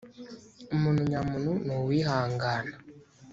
umuntu nyamuntu nuwihangana.